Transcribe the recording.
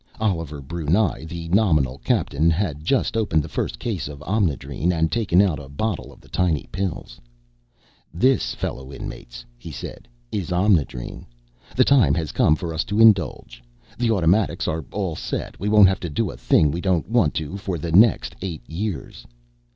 Oliver Brunei, the nominal captain, had just opened the first case of Omnidrene, and taken out a bottle of the tiny pills. "This, fellow inmates," he said, "is Omnidrene. The time has come for us to indulge. The automatics are all set, we won't have to do a thing we don't want to for the next eight years."